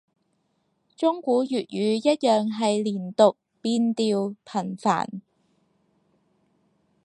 中古粵語一樣係連讀變調頻繁